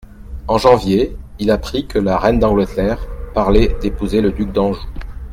En janvier, il apprit que la reine d'Angleterre parlait d'épouser le duc d'Anjou.